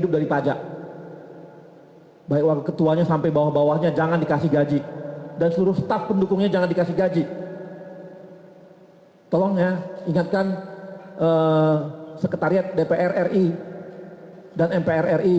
dan mpr ri